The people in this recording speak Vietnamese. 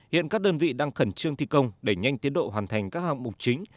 hiện các đơn vị đang khẩn trương thi công đẩy nhanh tiến độ hoàn thành các hạng mục chính